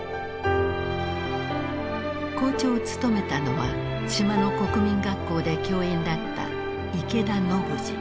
校長を務めたのは島の国民学校で教員だった池田信治。